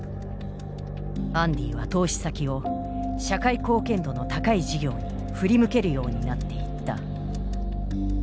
アンディは投資先を社会貢献度の高い事業に振り向けるようになっていった。